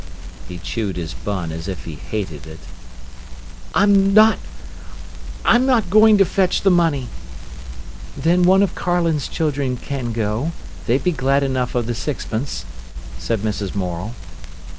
He chewed his bun as if he hated it. "I'm not—I'm not going to fetch the money." "Then one of Carlin's children can go; they'd be glad enough of the sixpence," said Mrs. Morel.